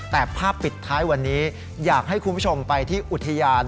แต่ภาพปิดท้ายวันนี้อยากให้คุณผู้ชมไปที่อุทยาน